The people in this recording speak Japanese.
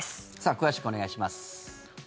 詳しくお願いします。